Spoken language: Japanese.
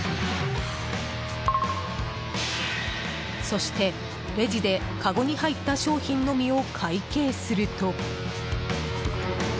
そして、レジでかごに入った商品のみを会計すると。